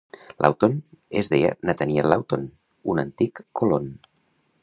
Lawton es deia Nathaniel Lawton, un antic colon.